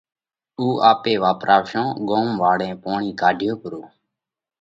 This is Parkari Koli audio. اُو آپي واپراشون ڳوم واۯي پوڻِي ڪاڍيو پرو